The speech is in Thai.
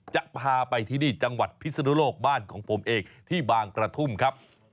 จะพาไปที่นี่จังหวัดพิศนุโลกบ้านของผมเองที่บางกระทุ่มครับ